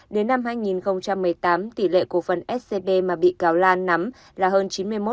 đến năm hai nghìn một mươi tám tỷ lệ cổ phần scb mà bị cáo lan nắm là hơn chín mươi một